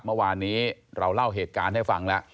เมื่อวานนี้เราเล่าเหตุการณ์ให้ฟังแล้ว